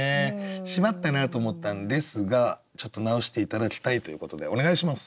しまったなと思ったんですがちょっと直して頂きたいということでお願いします。